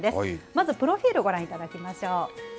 まずプロフィールをご覧いただきましょう。